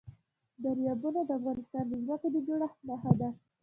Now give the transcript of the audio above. دریابونه د افغانستان د ځمکې د جوړښت نښه ده.